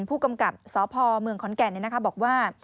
ผู้กำกับสพเมืองขอนแก่นบอกว่า